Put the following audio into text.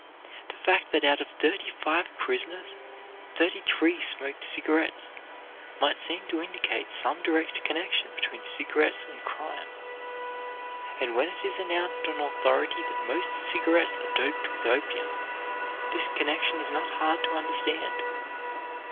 The fact that out of thirty five prisoners thirty three smoked cigarettes might seem to indicate some direct connection between cigarettes and crime. And when it is announced on authority that most cigarettes are doped with opium, this connection is not hard to understand.